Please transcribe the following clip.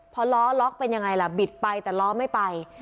พอล้อล็อกเป็นยังไงล่ะบิดไปแต่ล้อไม่ไป